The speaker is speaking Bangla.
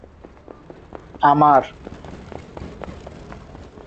একবার এ অসুস্থতার পিছনের কারণ নির্ণয় করা গেলে, প্রকৃত ব্যবস্থা নেওয়া যেত।